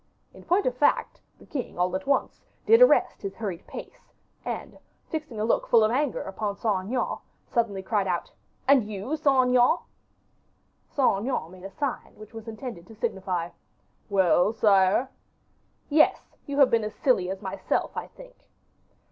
In point of fact, the king, all at once, did arrest his hurried pace; and, fixing a look full of anger upon Saint Aignan, suddenly cried out: "And you, Saint Aignan?" Saint Aignan made a sign which was intended to signify, "Well, sire?" "Yes; you have been as silly as myself, I think."